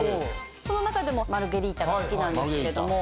その中でもマルゲリータが好きなんですけれども。